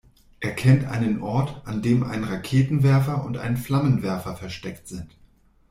Er kennt einen Ort, an dem ein Raketenwerfer und ein Flammenwerfer versteckt sind.